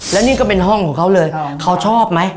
แล้วนี่ก็เป็นห้องของเขาเลยเขาชอบไหม